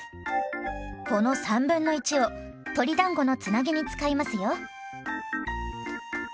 この1/3を鶏だんごのつなぎに使いますよ。